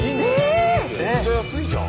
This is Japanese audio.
めっちゃ安いじゃん。